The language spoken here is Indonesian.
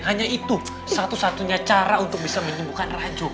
hanya itu satu satunya cara untuk bisa menjemputkan rajo